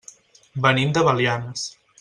Venim de Belianes.